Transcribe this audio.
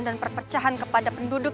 dan perpercahan kepada penduduk